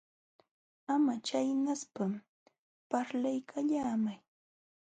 Ama chaynaspa, parlaykallaamay.